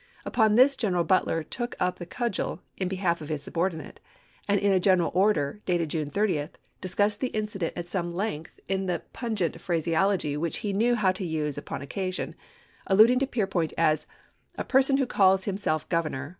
Upon this General Butler took up the cudgel in be half of his subordinate, and in a general order, dated June 30, discussed the incident at some length in the pungent phraseology which he knew how to use upon occasion, alluding to Peirpoint as " a person who calls himself Governor